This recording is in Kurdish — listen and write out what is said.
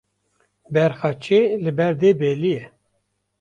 Berxa çê li ber dê belî ye